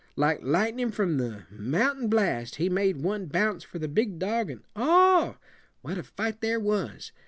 Like lightnin' from the mount'in blast, he made one bounce for the big dog, and oh! what a fight there was!